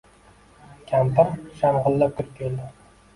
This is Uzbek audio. Kampiri shang‘illab kirib keldi.